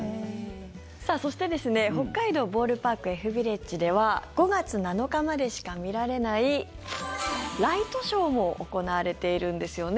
そして北海道ボールパークＦビレッジでは５月７日までしか見られないライトショーも行われているんですよね。